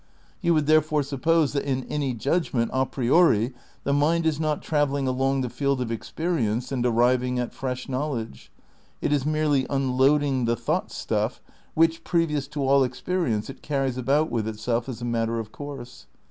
You would therefore suppose that in any judgment a priori the mind is not travelling along the field of experience and arriving at fresh know ledge; it is merely unloading the thought stuff which, previous to aU experience, it carries about with itself as a matter of course.